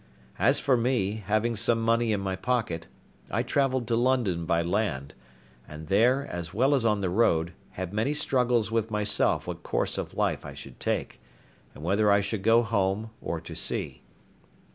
As for me, having some money in my pocket, I travelled to London by land; and there, as well as on the road, had many struggles with myself what course of life I should take, and whether I should go home or to sea.